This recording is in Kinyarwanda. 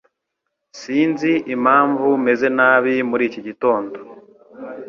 Sinzi impamvu meze nabi muri iki gitondo